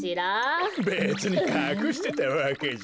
べつにかくしてたわけじゃ。